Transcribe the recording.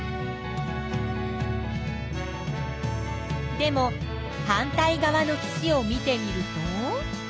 でも反対側の岸を見てみると。